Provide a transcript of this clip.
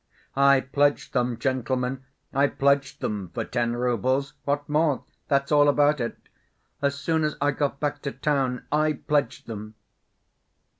"I pledged them, gentlemen. I pledged them for ten roubles. What more? That's all about it. As soon as I got back to town I pledged them."